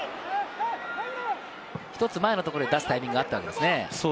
１つ前のところで出すタイミングはあったわけですね。